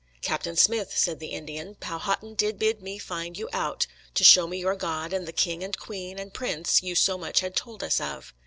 "Captain Smith," said the Indian, "Powhatan did bid me find you out, to show me your God, and the king and queen and prince you so much had told us of."